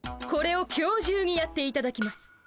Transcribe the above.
これを今日中にやっていただきます。